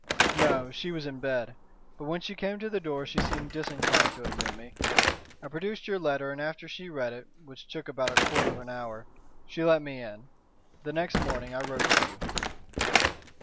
"No. She was in bed. But when she came to the door she seemed disinclined to admit me. I produced your letter, and after she read it, which took about a quarter of an hour, she let me in. Then next morning I wrote to you."